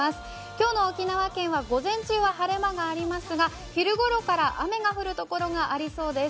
今日の沖縄県は午前中は晴れ間もありますが昼頃から雨が降るところがありそうです。